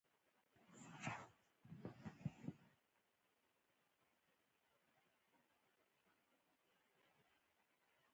نور توکي یو متر ململ ټوټه او د حل کولو لپاره لوښي دي.